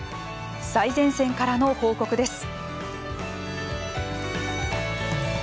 最前線からの報告です。